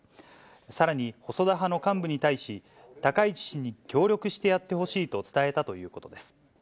さらに細田派の幹部に対し、高市氏に協力してやってほしいと伝えたということです。